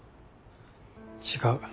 違う。